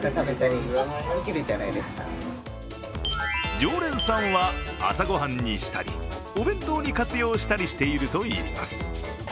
常連さんは朝ごはんにしたり、お弁当に活用したりしているといいます。